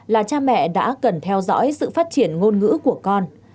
là cha mẹ đã cần theo dõi sự phát triển ngôn ngữ của con